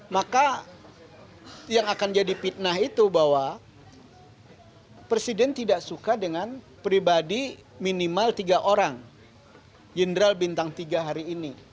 maka yang akan jadi fitnah itu bahwa presiden tidak suka dengan pribadi minimal tiga orang jenderal bintang tiga hari ini